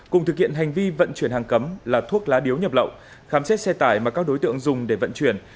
cùng thực hiện hành vi vận chuyển hàng cấm là thuốc lá điếu nhập lậu khám xét xe tải mà các đối tượng dùng để vận chuyển